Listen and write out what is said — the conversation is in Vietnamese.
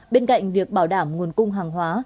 bên cạnh việc bảo đảm nguồn cung hàng hóa